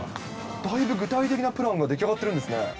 だいぶ具体的なプランが出来上がってるんですね？